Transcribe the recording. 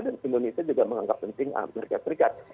dan indonesia juga menganggap penting amerika serikat